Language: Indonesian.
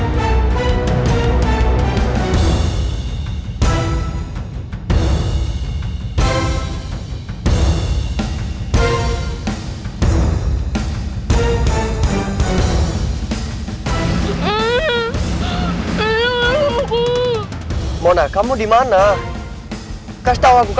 t sidik tuh